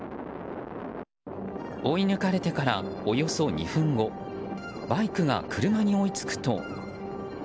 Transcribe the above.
追い抜かれてからおよそ２分後バイクが車に追いつくと。